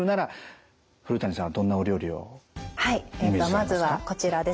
まずはこちらですね。